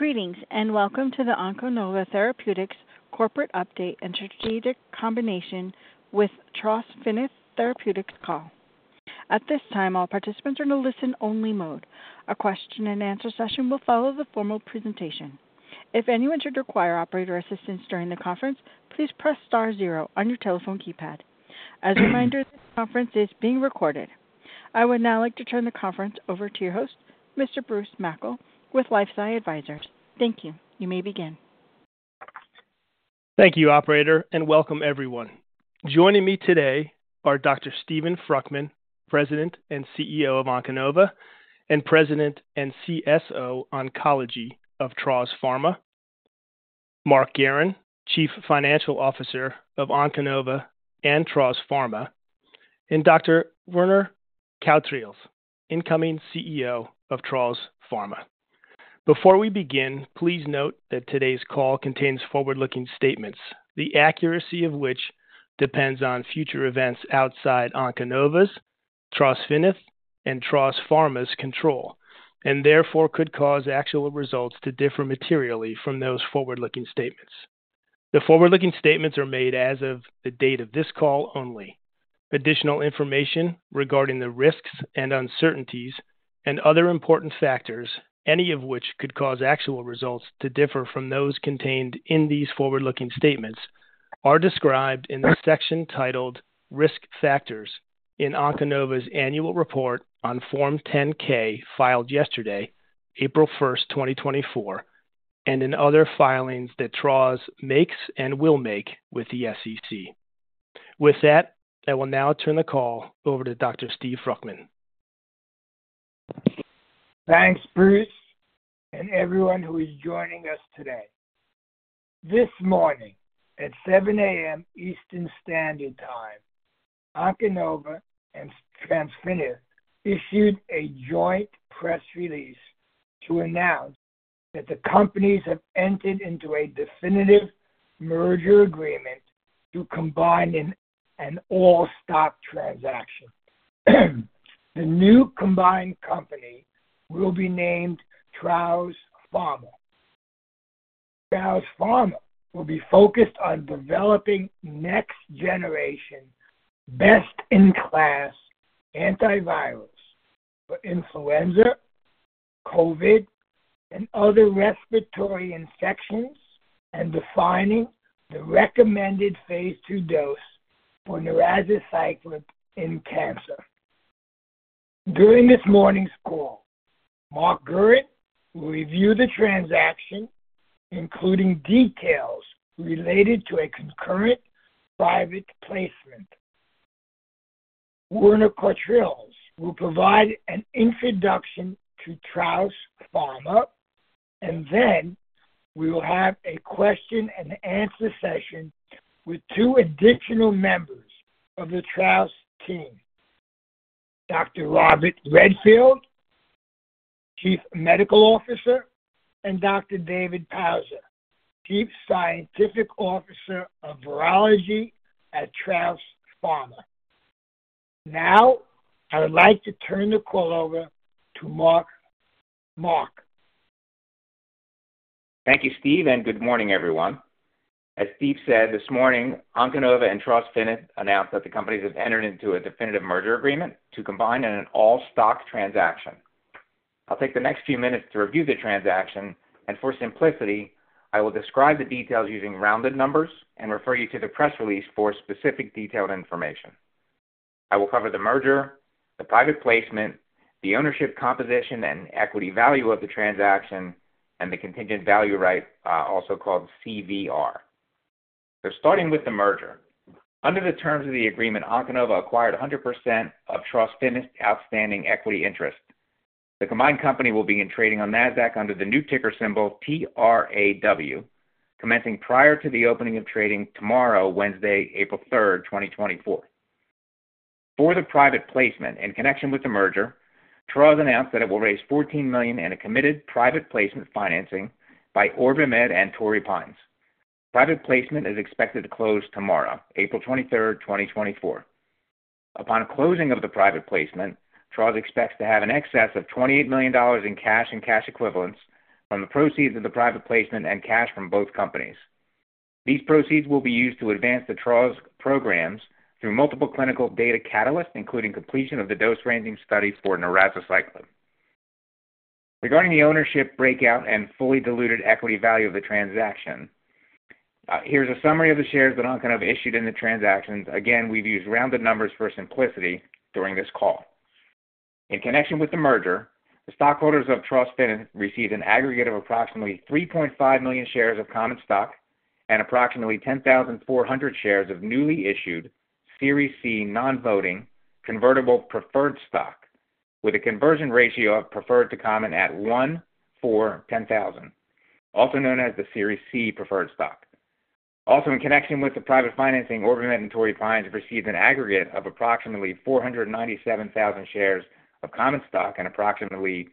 Greetings and welcome to the Onconova Therapeutics Corporate update and strategic combination with Trawsfynydd Therapeutics Call. At this time, all participants are in a listen-only mode. A question-and-answer session will follow the formal presentation. If anyone should require operator assistance during the conference, please press star zero on your telephone keypad. As a reminder, this conference is being recorded. I would now like to turn the conference over to your host, Mr. Bruce Mackle, with LifeSci Advisors. Thank you. You may begin. Thank you, operator, and welcome everyone. Joining me today are Dr. Steven Fruchtman, President and CEO of Onconova and President and CSO Oncology of Traws Pharma. Mark Guerin, Chief Financial Officer of Onconova and Traws Pharma, and Dr. Werner Cautreels, incoming CEO of Traws Pharma. Before we begin, please note that today's call contains forward-looking statements, the accuracy of which depends on future events outside Onconova's, Trawsfynydd's, and Traws Pharma's control, and therefore could cause actual results to differ materially from those forward-looking statements. The forward-looking statements are made as of the date of this call only. Additional information regarding the risks and uncertainties and other important factors, any of which could cause actual results to differ from those contained in these forward-looking statements, are described in the section titled "Risk Factors" in Onconova's annual report on Form 10-K filed yesterday, April 1st, 2024, and in other filings that Traws makes and will make with the SEC. With that, I will now turn the call over to Dr. Steve Fruchtman. Thanks, Bruce, and everyone who is joining us today. This morning at 7:00 A.M. Eastern Standard Time, Onconova and Trawsfynydd issued a joint press release to announce that the companies have entered into a definitive merger agreement to combine an all-stock transaction. The new combined company will be named Traws Pharma. Traws Pharma will be focused on developing next-generation, best-in-class antivirals for influenza, COVID, and other respiratory infections, and defining the recommended phase II dose for narazaciclib in cancer. During this morning's call, Mark Guerin will review the transaction, including details related to a concurrent private placement. Werner Cautreels will provide an introduction to Traws Pharma, and then we will have a question-and-answer session with two additional members of the Traws team: Dr. Robert Redfield, Chief Medical Officer; and Dr. David Pauza, Chief Scientific Officer of Virology at Traws Pharma. Now, I would like to turn the call over to Mark. Thank you, Steve, and good morning, everyone. As Steve said, this morning Onconova and Trawsfynydd announced that the companies have entered into a definitive merger agreement to combine in an all-stock transaction. I'll take the next few minutes to review the transaction, and for simplicity, I will describe the details using rounded numbers and refer you to the press release for specific detailed information. I will cover the merger, the private placement, the ownership composition and equity value of the transaction, and the contingent value right, also called CVR. So starting with the merger. Under the terms of the agreement, Onconova acquired 100% of Trawsfynydd's outstanding equity interest. The combined company will begin trading on NASDAQ under the new ticker symbol TRAW, commencing prior to the opening of trading tomorrow, Wednesday, April 3rd, 2024. For the private placement, in connection with the merger, Traws announced that it will raise $14 million in a committed private placement financing by OrbiMed and Torrey Pines. Private placement is expected to close tomorrow, April 3rd, 2024. Upon closing of the private placement, Traws expects to have an excess of $28 million in cash and cash equivalents from the proceeds of the private placement and cash from both companies. These proceeds will be used to advance the Traws programs through multiple clinical data catalysts, including completion of the dose ranging study for narazaciclib. Regarding the ownership breakout and fully diluted equity value of the transaction, here's a summary of the shares that Onconova issued in the transactions. Again, we've used rounded numbers for simplicity during this call. In connection with the merger, the stockholders of Trawsfynydd received an aggregate of approximately 3.5 million shares of common stock and approximately 10,400 shares of newly issued Series C non-voting convertible preferred stock, with a conversion ratio of preferred to common at 1:10,000, also known as the Series C preferred stock. Also, in connection with the private financing, OrbiMed and Torrey Pines received an aggregate of approximately 497,000 shares of common stock and approximately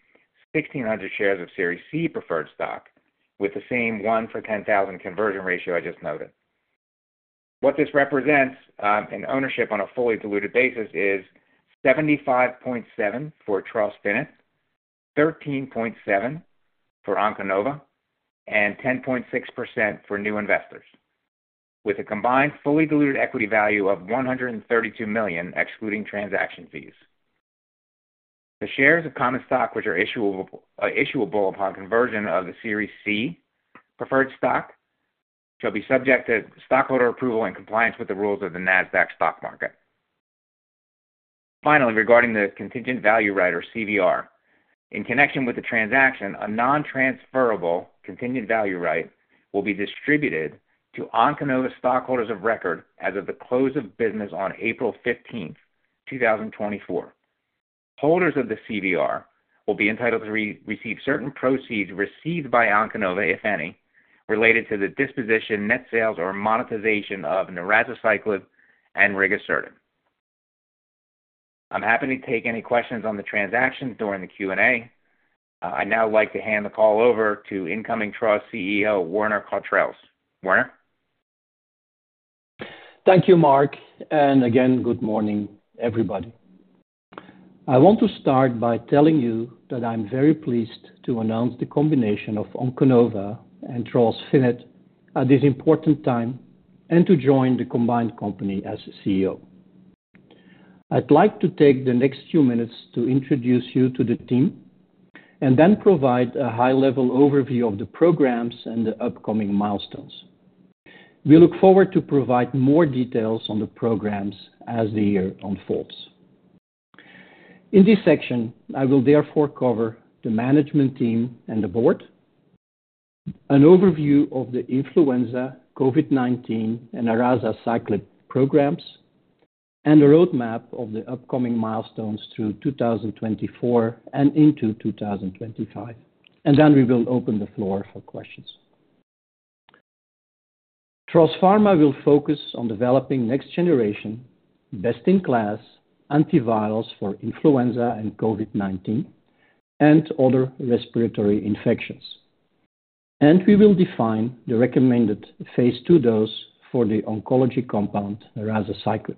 1,600 shares of Series C preferred stock, with the same 1:10,000 conversion ratio I just noted. What this represents in ownership on a fully diluted basis is 75.7% for Trawsfynydd, 13.7% for Onconova, and 10.6% for new investors, with a combined fully diluted equity value of $132 million, excluding transaction fees. The shares of common stock, which are issuable upon conversion of the Series C preferred stock, shall be subject to stockholder approval and compliance with the rules of the NASDAQ stock market. Finally, regarding the contingent value right, or CVR, in connection with the transaction, a non-transferable contingent value right will be distributed to Onconova stockholders of record as of the close of business on April 15th, 2024. Holders of the CVR will be entitled to receive certain proceeds received by Onconova, if any, related to the disposition, net sales, or monetization of narazaciclib and rigosertib. I'm happy to take any questions on the transactions during the Q&A. I'd now like to hand the call over to incoming Traws CEO, Werner Cautreels. Werner? Thank you, Mark. And again, good morning, everybody. I want to start by telling you that I'm very pleased to announce the combination of Onconova and Trawsfynydd Therapeutics at this important time and to join the combined company as CEO. I'd like to take the next few minutes to introduce you to the team and then provide a high-level overview of the programs and the upcoming milestones. We look forward to providing more details on the programs as the year unfolds. In this section, I will therefore cover the management team and the board, an overview of the influenza, COVID-19, and narazaciclib programs, and a roadmap of the upcoming milestones through 2024 and into 2025. And then we will open the floor for questions. Traws Pharma will focus on developing next-generation, best-in-class antivirals for influenza and COVID-19 and other respiratory infections, and we will define the recommended phase II dose for the oncology compound narazaciclib.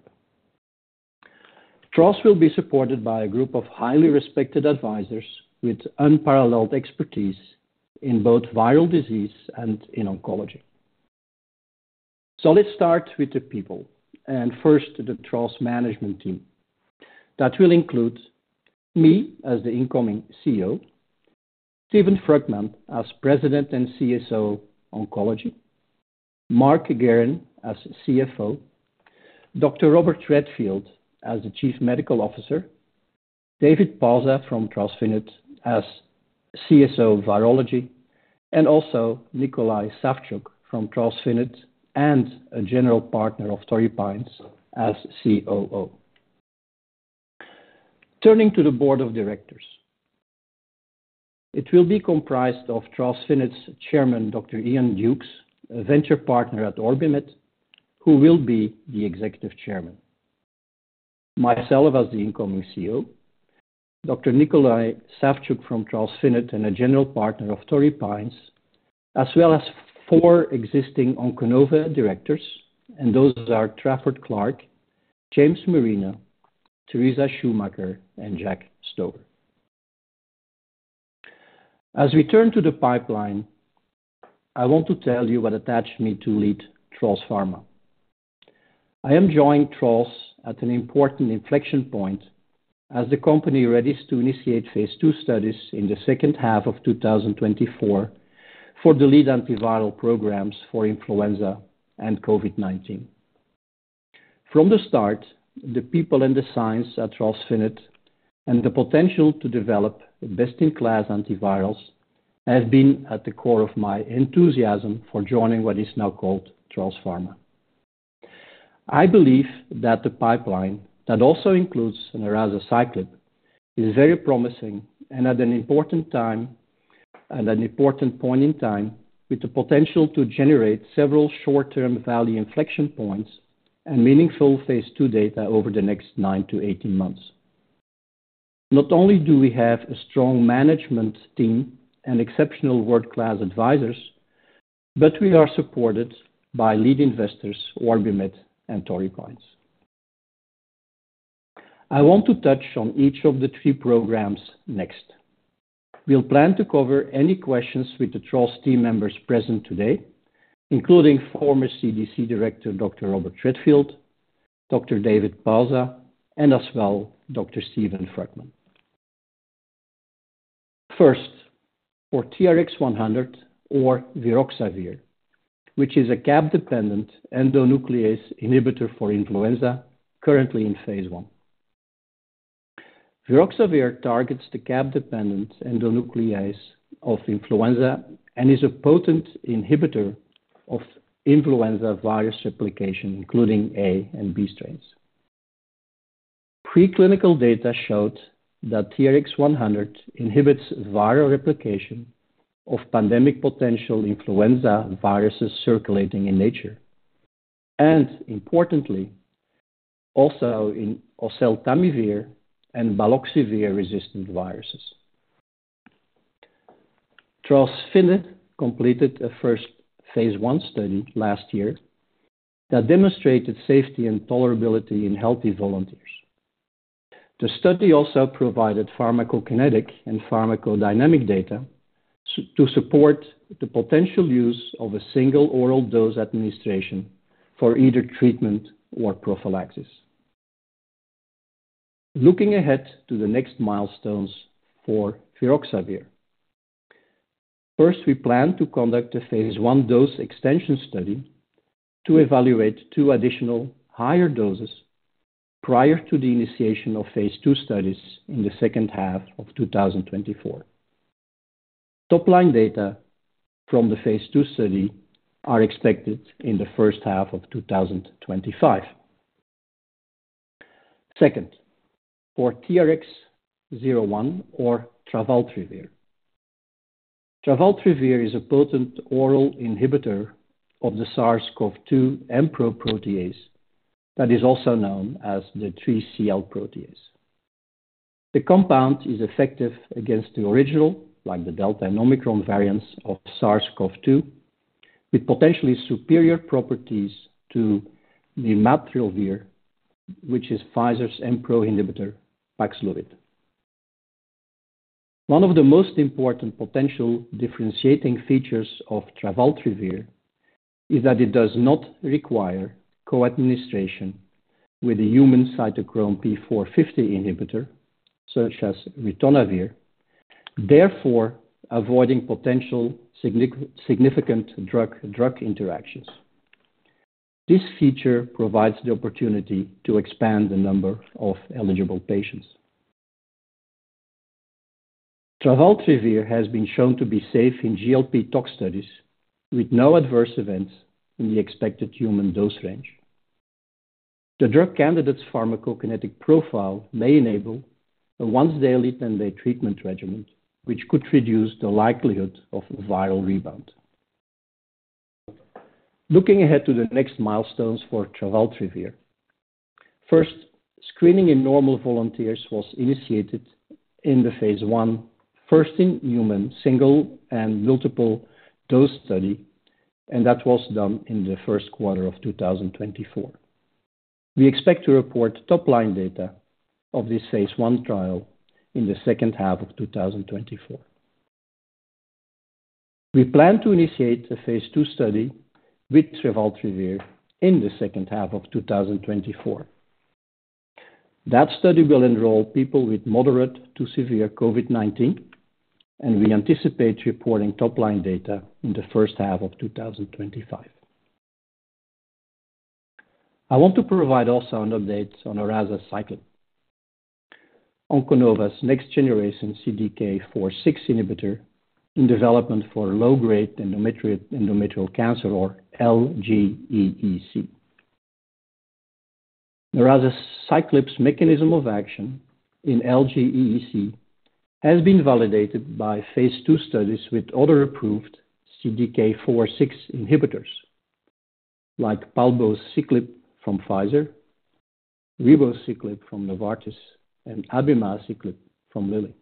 Traws will be supported by a group of highly respected advisors with unparalleled expertise in both viral disease and in oncology. So let's start with the people, and first the Traws management team. That will include me as the incoming CEO, Steven Fruchtman as President and CSO Oncology, Mark Guerin as CFO, Dr. Robert Redfield as the Chief Medical Officer, David Pauza from Trawsfynydd as CSO Virology, and also Nikolay Savchuk from Trawsfynydd and a general partner of Torrey Pines as COO. Turning to the board of directors. It will be comprised of Trawsfynydd's chairman, Dr. Iain Dukes, a venture partner at OrbiMed, who will be the executive chairman, myself as the incoming CEO, Dr. Nikolay Savchuk from Trawsfynydd and a general partner of Torrey Pines, as well as four existing Onconova directors, and those are Trafford Clarke, James Marino, Teresa Schumacher, and Jack Stover. As we turn to the pipeline, I want to tell you what attached me to lead Traws Pharma. I am joining Traws at an important inflection point as the company readies to initiate phase II studies in the second half of 2024 for the lead antiviral programs for influenza and COVID-19. From the start, the people and the science at Trawsfynydd and the potential to develop best-in-class antivirals have been at the core of my enthusiasm for joining what is now called Traws Pharma. I believe that the pipeline, that also includes narazaciclib, is very promising and at an important time and an important point in time with the potential to generate several short-term value inflection points and meaningful phase II data over the next nine to 18 months. Not only do we have a strong management team and exceptional world-class advisors, but we are supported by lead investors, OrbiMed, and Torrey Pines. I want to touch on each of the three programs next. We'll plan to cover any questions with the Traws team members present today, including former CDC director Dr. Robert Redfield, Dr. David Pauza, and as well Dr. Steven Fruchtman. First, for TRX-100 or viroxavir, which is a cap-dependent endonuclease inhibitor for influenza, currently in phase I. Viroxavir targets the cap-dependent endonuclease of influenza and is a potent inhibitor of influenza virus replication, including A and B strains. Preclinical data showed that TRX-100 inhibits viral replication of pandemic-potential influenza viruses circulating in nature and, importantly, also in oseltamivir and baloxavir-resistant viruses. Traws Pharma completed a first phase II study last year that demonstrated safety and tolerability in healthy volunteers. The study also provided pharmacokinetic and pharmacodynamic data to support the potential use of a single oral dose administration for either treatment or prophylaxis. Looking ahead to the next milestones for viroxavir. First, we plan to conduct a phase I dose extension study to evaluate two additional higher doses prior to the initiation of phase II studies in the second half of 2024. Top-line data from the phase II study are expected in the first half of 2025. Second, for TRX-01 or ratutrelvir, ratutrelvir is a potent oral inhibitor of the SARS-CoV-2 Mpro protease that is also known as the 3CL protease. The compound is effective against the original, like the Delta and Omicron variants of SARS-CoV-2, with potentially superior properties to the nirmatrelvir, which is Pfizer's Mpro inhibitor, Paxlovid. One of the most important potential differentiating features of ratutrelvir is that it does not require co-administration with the human cytochrome P450 inhibitor, such as ritonavir, therefore avoiding potential significant drug-drug interactions. This feature provides the opportunity to expand the number of eligible patients. Ratutrelvir has been shown to be safe in GLP-tox studies with no adverse events in the expected human dose range. The drug candidate's pharmacokinetic profile may enable a once-daily treatment regimen, which could reduce the likelihood of a viral rebound. Looking ahead to the next milestones for ratutrelvir, first, screening in normal volunteers was initiated in the phase I, first-in-human single and multiple dose study, and that was done in the first quarter of 2024. We expect to report top-line data of this phase I trial in the second half of 2024. We plan to initiate a phase II study with ratutrelvir in the second half of 2024. That study will enroll people with moderate to severe COVID-19, and we anticipate reporting top-line data in the first half of 2025. I want to provide also an update on narazaciclib, Onconova's next-generation CDK4/6 inhibitor in development for low-grade endometrial cancer, or LGEEC. Narazaciclib's mechanism of action in LGEEC has been validated by phase II studies with other approved CDK4/6 inhibitors, like palbociclib from Pfizer, ribociclib from Novartis, and abemaciclib from Lilly.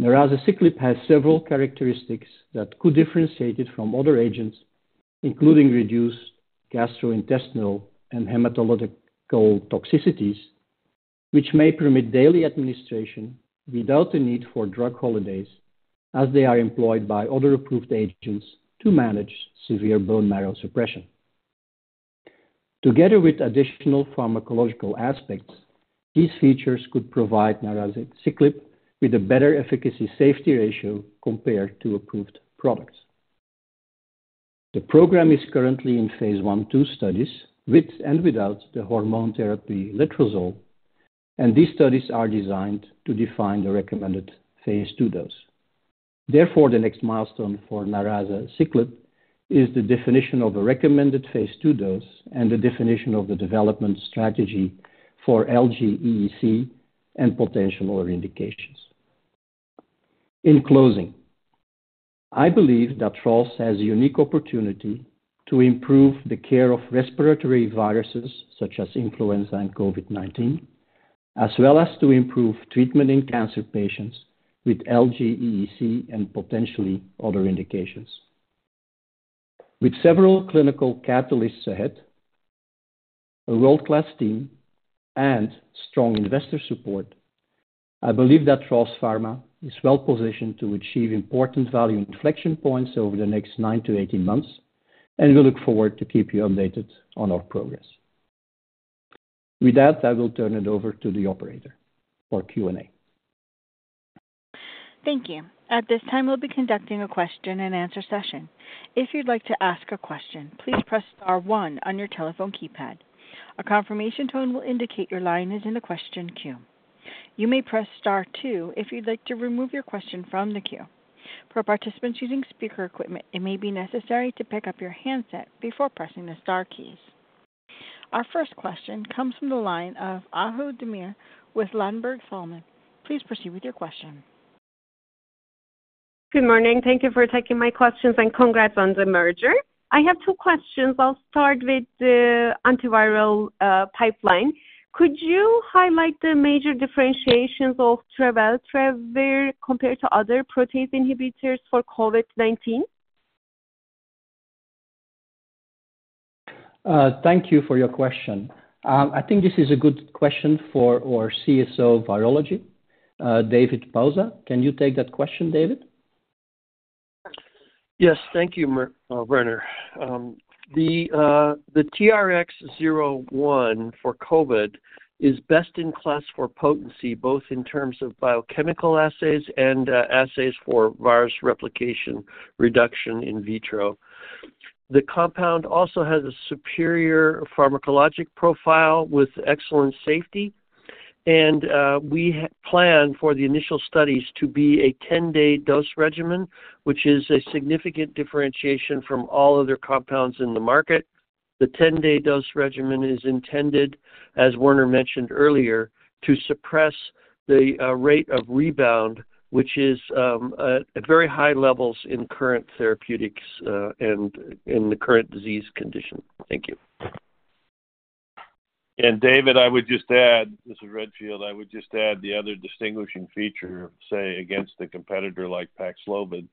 Narazaciclib has several characteristics that could differentiate it from other agents, including reduced gastrointestinal and hematological toxicities, which may permit daily administration without the need for drug holidays as they are employed by other approved agents to manage severe bone marrow suppression. Together with additional pharmacological aspects, these features could provide narazaciclib with a better efficacy-safety ratio compared to approved products. The program is currently in phase I/II studies, with and without the hormone therapy letrozole, and these studies are designed to define the recommended phase II dose. Therefore, the next milestone for narazaciclib is the definition of a recommended phase II dose and the definition of the development strategy for LGEEC and potential other indications. In closing, I believe that Traws has a unique opportunity to improve the care of respiratory viruses such as influenza and COVID-19, as well as to improve treatment in cancer patients with LGEEC and potentially other indications. With several clinical catalysts ahead, a world-class team, and strong investor support, I believe that Traws Pharma is well-positioned to achieve important value inflection points over the next 9-18 months and will look forward to keeping you updated on our progress. With that, I will turn it over to the operator for Q&A. Thank you. At this time, we'll be conducting a question-and-answer session. If you'd like to ask a question, please press star one on your telephone keypad. A confirmation tone will indicate your line is in the question queue. You may press star two if you'd like to remove your question from the queue. For participants using speaker equipment, it may be necessary to pick up your handset before pressing the star keys. Our first question comes from the line of Ahu Demir with Ladenburg Thalmann. Please proceed with your question. Good morning. Thank you for taking my questions, and congrats on the merger. I have two questions. I'll start with the antiviral pipeline. Could you highlight the major differentiations of ratutrelvir compared to other protease inhibitors for COVID-19? Thank you for your question. I think this is a good question for our CSO Virology, David Pauza. Can you take that question, David? Yes. Thank you, Werner. The TRX-01 for COVID is best-in-class for potency, both in terms of biochemical assays and assays for virus replication reduction in vitro. The compound also has a superior pharmacologic profile with excellent safety, and we plan for the initial studies to be a 10-day dose regimen, which is a significant differentiation from all other compounds in the market. The 10-day dose regimen is intended, as Werner mentioned earlier, to suppress the rate of rebound, which is at very high levels in current therapeutics and in the current disease condition. Thank you. David, I would just add, this is Redfield, I would just add the other distinguishing feature, say, against a competitor like Paxlovid,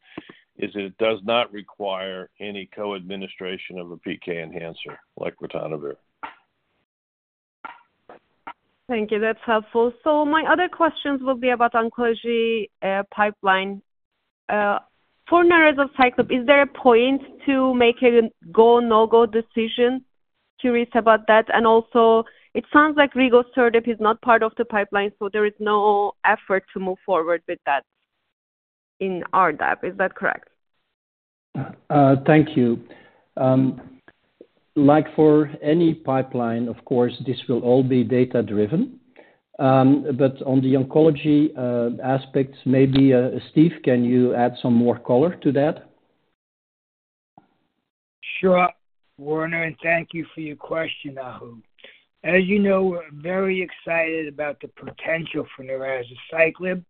is that it does not require any co-administration of a PK enhancer like Ritonavir. Thank you. That's helpful. My other questions will be about oncology pipeline. For narazaciclib, is there a point to make a go-no-go decision? Curious about that. Also, it sounds like rigosertib is not part of the pipeline, so there is no effort to move forward with that in our lab. Is that correct? Thank you. Like for any pipeline, of course, this will all be data-driven. But on the oncology aspects, maybe Steven, can you add some more color to that? Sure, Werner, and thank you for your question, Ahu. As you know, we're very excited about the potential for narazaciclib.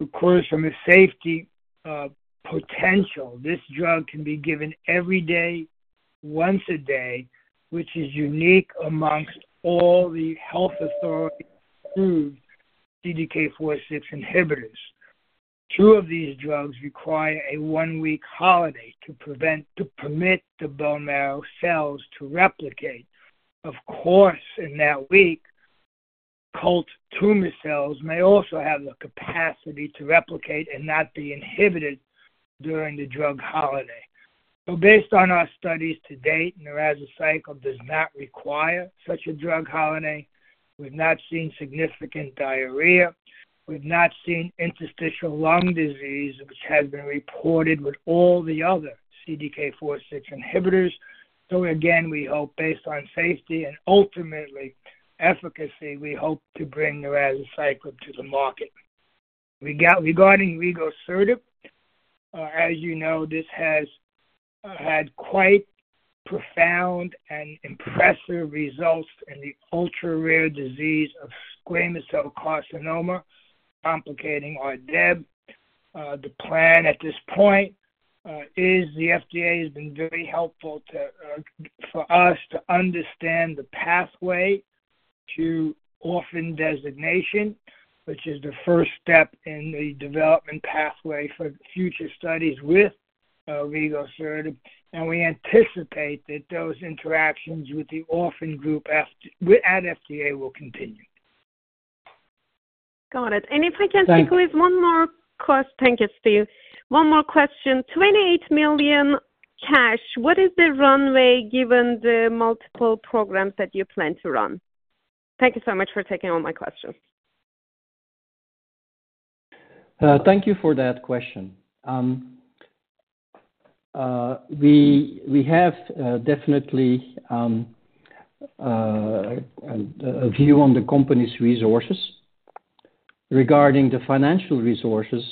Of course, from a safety potential, this drug can be given every day, once a day, which is unique amongst all the health authority-approved CDK4/6 inhibitors. Two of these drugs require a one-week holiday to permit the bone marrow cells to replicate. Of course, in that week, occult tumor cells may also have the capacity to replicate and not be inhibited during the drug holiday. So based on our studies to date, narazaciclib does not require such a drug holiday. We've not seen significant diarrhea. We've not seen interstitial lung disease, which has been reported with all the other CDK4/6 inhibitors. So again, we hope, based on safety and ultimately efficacy, we hope to bring narazaciclib to the market. Regarding rigosertib, as you know, this has had quite profound and impressive results in the ultra-rare disease of squamous cell carcinoma, complicating RDEB. The plan at this point is the FDA has been very helpful for us to understand the pathway to orphan designation, which is the first step in the development pathway for future studies with rigosertib, and we anticipate that those interactions with the orphan group at FDA will continue. Got it. If I can speak with one more, thank you, Steven. One more question. $28 million cash, what is the runway given the multiple programs that you plan to run? Thank you so much for taking all my questions. Thank you for that question. We have definitely a view on the company's resources. Regarding the financial resources,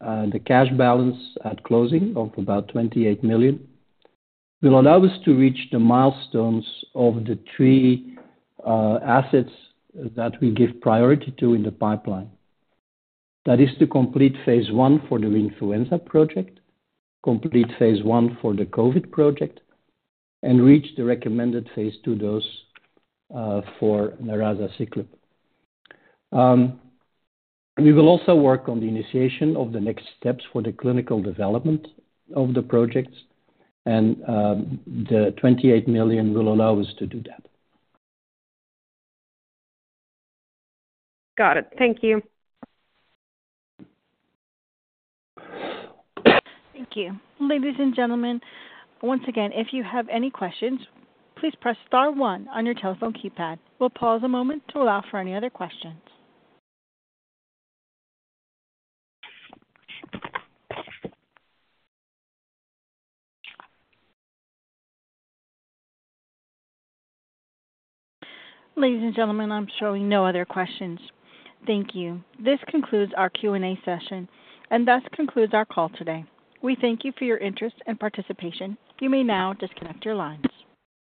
the cash balance at closing of about $28 million will allow us to reach the milestones of the three assets that we give priority to in the pipeline. That is to complete phase I for the influenza project, complete phase I for the COVID project, and reach the recommended phase II dose for narazaciclib. We will also work on the initiation of the next steps for the clinical development of the projects, and the $28 million will allow us to do that. Got it. Thank you. Thank you. Ladies and gentlemen, once again, if you have any questions, please press star one on your telephone keypad. We'll pause a moment to allow for any other questions. Ladies and gentlemen, I'm showing no other questions. Thank you. This concludes our Q&A session, and thus concludes our call today. We thank you for your interest and participation. You may now disconnect your lines.